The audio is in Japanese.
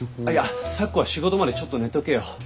あっいや咲子は仕事までちょっと寝とけよ。